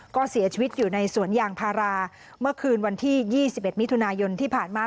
ก็เสียชีวิตอยู่ในสวนยางพาราเมื่อคืนวันที่๒๑มิถุนายนที่ผ่านมา